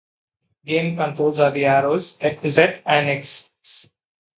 Game controls are the arrows, Z and X keys.